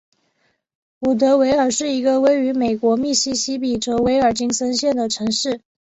伍德维尔是一个位于美国密西西比州威尔金森县的城市。